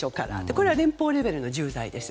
これは連邦レベルの重罪です。